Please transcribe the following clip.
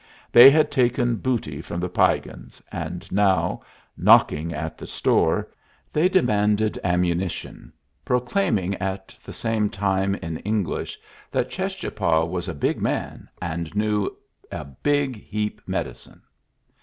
They had taken booty from the Piegans, and now, knocking at the store, they demanded ammunition, proclaiming at the same time in English that Cheschapah was a big man, and knew a "big heap medicine."